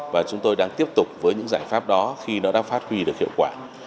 và chúng tôi đang tiếp tục với những giải pháp đó khi nó đã phát huy được hiệu quả